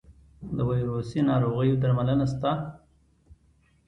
د ویروسي ناروغیو درملنه شته؟